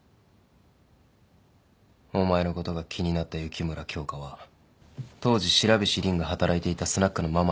お前のことが気になった雪村京花は当時白菱凜が働いていたスナックのママに会いに行った。